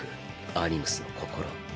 アニムスの心。